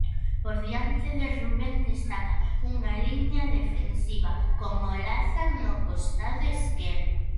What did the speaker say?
Por diante de Rubén destaca unha liña defensiva con Olaza no costado esquerdo.